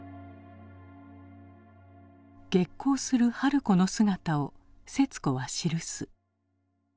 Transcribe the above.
激高する春子の姿を節子は記す。